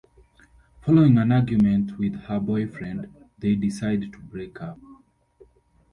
Following an argument with her boyfriend, they decide to break up.